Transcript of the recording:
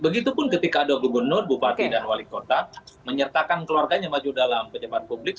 begitupun ketika ada gubernur bupati dan wali kota menyertakan keluarganya maju dalam pejabat publik